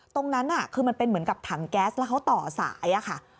ตรงนั้นคือมันเป็นเหมือนกับถังแก๊สแล้วเขาต่อสายอะค่ะ